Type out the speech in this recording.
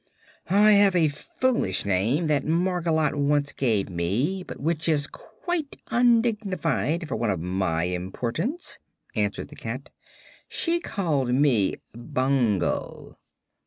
"I have a foolish name that Margolotte once gave me, but which is quite undignified for one of my importance," answered the cat. "She called me 'Bungle.'"